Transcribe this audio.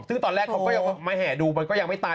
ซึ่งตอนแรกเขาก็อยากมาแหงดูดูก็ไม่ตาย